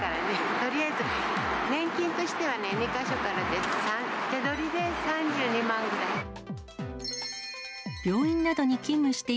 とりあえず、年金としてはね、２か所から手取りで３２万ぐらい。